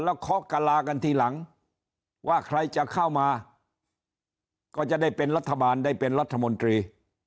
แล้วเคาะกะลากันทีหลังว่าใครจะเข้ามาก็จะได้เป็นรัฐบาลได้เป็นรัฐมนตรี